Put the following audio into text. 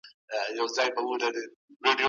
ایا ملي بڼوال انځر ساتي؟